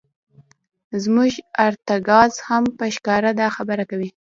زموږ ارتکاز هم په ښکاره دا خبره کوي.